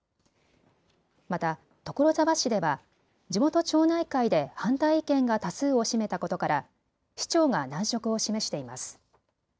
また所沢市では地元町内会で反対意見が多数を占めたことから市長が難色を示しています。